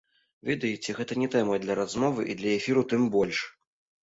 Ведаеце, гэта не тэма для размовы і для эфіру тым больш!